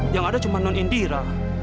yang ada cuma non indira